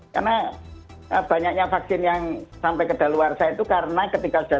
karena banyaknya vaksin yang sampai kedaluarsa itu karena ketika sudah